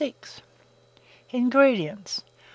INGREDIENTS.